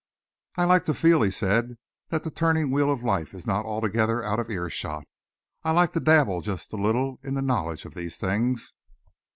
"I like to feel," he said, "that the turning wheel of life is not altogether out of earshot. I like to dabble just a little in the knowledge of these things."